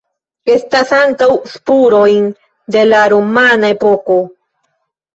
Estas ankaŭ spurojn de la romana epoko.